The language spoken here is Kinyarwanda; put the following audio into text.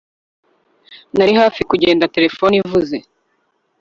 Nari hafi kugenda terefone ivuze